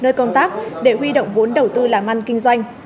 nơi công tác để huy động vốn đầu tư làm ăn kinh doanh